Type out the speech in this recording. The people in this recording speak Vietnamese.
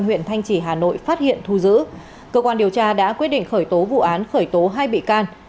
huyện thanh trì hà nội phát hiện thu giữ cơ quan điều tra đã quyết định khởi tố vụ án khởi tố hai bị can